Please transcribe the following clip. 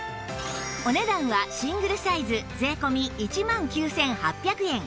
お値段はシングルサイズ税込１万９８００円